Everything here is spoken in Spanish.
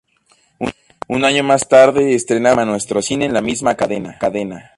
Un año más tarde estrenaba el programa "Nuestro cine" en la misma cadena.